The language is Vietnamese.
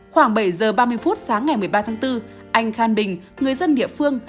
khoảng bảy giờ ba mươi phút sáng ngày một mươi ba tháng bốn anh khan bình người dân địa phương